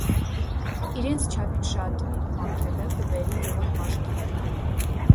Իրենց չափից շատ մաքրելը կբերի յուղոտ մաշկի։